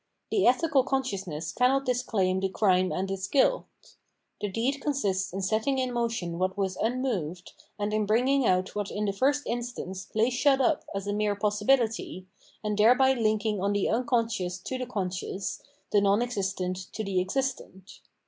The ethical consciousness cannot disclaim the crime and its guilt. The deed consists in setting in motion what was unmoved, and in bringing out what in the first instance lay shut up as a mere possibility, and thereby IMking on the unconscious to the conscious, the non existent to the existent.